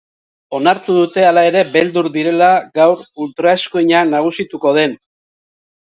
Onartu dute, hala ere, beldur direla gaur ultraeskuina nagusituko den.